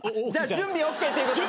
準備ＯＫということで。